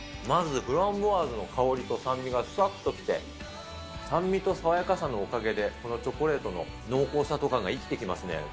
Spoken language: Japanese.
まずフランボワーズの香りと酸味がふわっときて、酸味と爽やかさのおかげで、このチョコレートの濃厚さとかが生きてきますね。